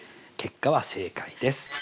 結果は正解です。